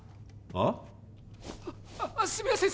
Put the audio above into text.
ああすいません